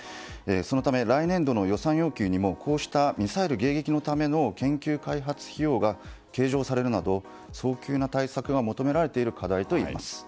そのため、来年度の予算要求にもミサイル迎撃のための研究開発費用の計上など早急な対策が求められている課題と言えます。